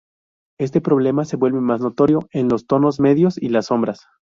Este problema se vuelve más notorio en los tonos medios y las sombras.